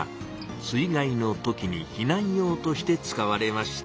水害の時に避難用として使われました。